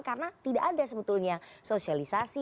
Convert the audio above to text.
karena tidak ada sebetulnya sosialisasi